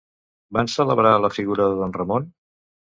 Van celebrar la figura de don Ramon?